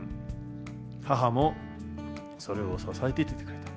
母もそれを支えていてくれた。